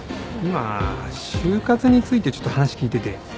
今就活についてちょっと話聞いてて。